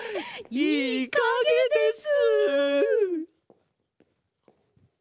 いいかげです。